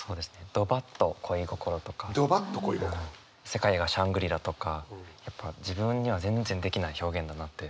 「世界がシャングリラ」とかやっぱ自分には全然できない表現だなって。